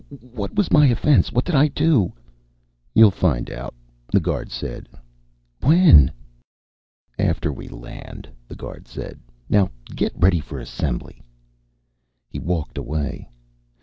"What was my offense? What did I do?" "You'll find out," the guard said. "When?" "After we land," the guard said. "Now get ready for assembly." He walked away.